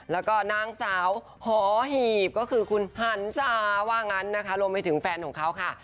แล้วก็นางสาวหอหีบก็คือคุณหันซาว่างั้นนะคะรวมไปถึงแฟนของเขาค่ะ